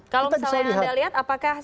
kalau misalnya anda lihat apakah